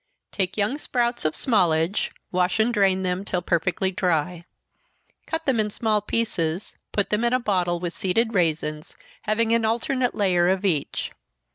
_ Take young sprouts of smallage wash and drain them till perfectly dry. Cut them in small pieces, put them in a bottle, with seeded raisins, having an alternate layer of each.